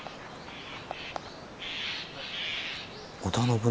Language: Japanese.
織田信長。